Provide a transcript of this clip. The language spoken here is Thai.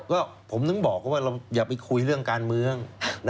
ก็ผมถึงบอกว่าอย่าไปคุยเรื่องการเมือง